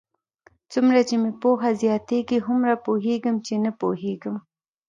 څومره چې مې پوهه زیاتېږي، هومره پوهېږم؛ چې نه پوهېږم.